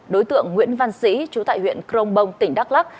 đối tượng nguyễn văn sĩ trú tại huyện crong bông tỉnh đắk lắc